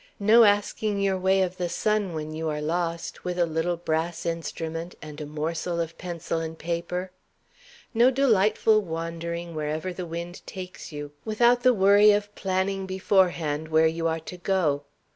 No asking your way of the sun, when you are lost, with a little brass instrument and a morsel of pencil and paper. No delightful wandering wherever the wind takes you, without the worry of planning beforehand where you are to go.